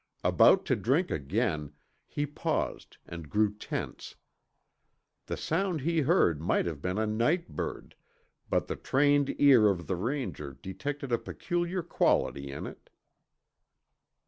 About to drink again, he paused and grew tense. The sound he heard might have been a night bird, but the trained ear of the Ranger detected a peculiar quality in it.